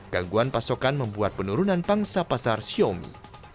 gangguan pasokan membuat penurunan pangsa pasar xiaomi